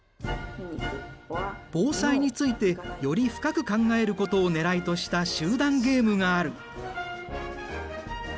防災についてより深く考えることをねらいとした集団ゲームがある。